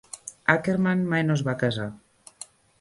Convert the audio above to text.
Ackermann mai no es va casar.